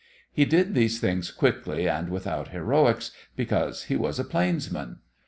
He did these things quickly and without heroics, because he was a plainsman.